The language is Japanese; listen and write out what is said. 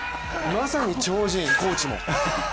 まさに超人、コーチも。